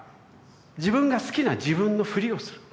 自分が好きな自分のフリをする。